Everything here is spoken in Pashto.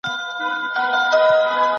د دغي کیسې پای زما د شکر څخه ډک و.